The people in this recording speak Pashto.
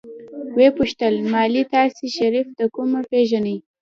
ويې پوښتل مالې تاسې شريف د کومه پېژنئ.